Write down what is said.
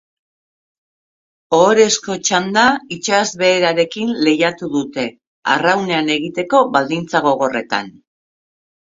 Ohorezko txanda itsasbeherarekin lehiatu dute, arraunean egiteko baldintza gogorretan.